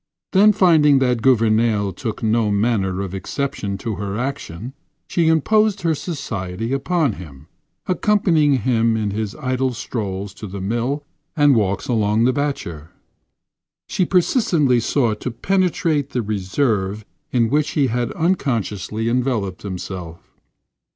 Then finding that Gouvernail took no manner of exception to her action, she imposed her society upon him, accompanying him in his idle strolls to the mill and walks along the batture. She persistently sought to penetrate the reserve in which he had unconsciously enveloped himself.